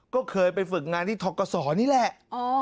ก็เคยไปฝึกงานที่ทกศนี่แหละ